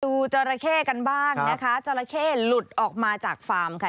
จราเข้กันบ้างนะคะจราเข้หลุดออกมาจากฟาร์มค่ะ